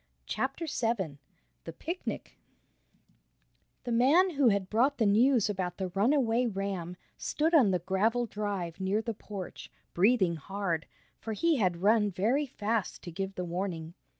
CHAPTER VII THE PICNIC The man who had brought the news about the runaway ram, stood on the gravel drive near the porch, breathing hard, for he had run very fast to give the warning.